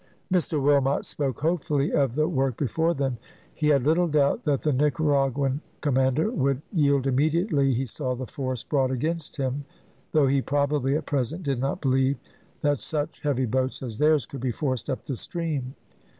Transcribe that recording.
Mr Wilmot spoke hopefully of the work before them. He had little doubt that the Nicaraguan commander would yield immediately he saw the force brought against him, though he probably at present did not believe that such heavy boats as theirs could be forced up the stream.